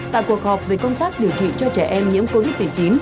tại cuộc họp về công tác điều trị cho trẻ em nhiễm covid một mươi chín